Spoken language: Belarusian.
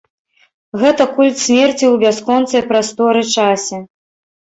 Гэта культ смерці ў бясконцай прасторы-часе.